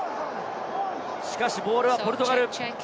しかしボールはポルトガル。